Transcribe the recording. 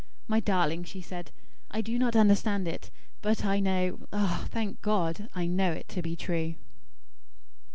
"My darling," she said, "I do not understand it. But I know ah, thank God! I know it to be true."